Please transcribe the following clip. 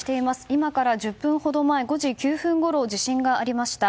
今から１０分ほど前５時９分ごろ、地震がありました。